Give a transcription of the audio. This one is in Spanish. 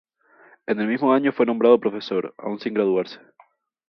En el mismo año fue nombrado profesor, aun sin graduarse.